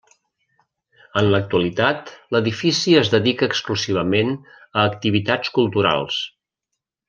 En l'actualitat l'edifici es dedica exclusivament a activitats culturals.